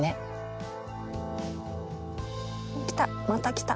来た。